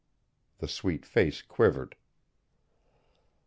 The sweet face quivered.